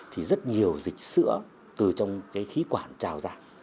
thì rất nhiều dịch sữa từ trong cái khí quản trào ra